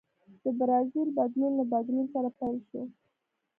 د برازیل بدلون له بدلون سره پیل شو.